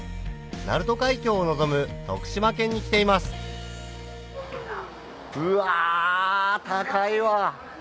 鳴門海峡を望む徳島県に来ていますうわ。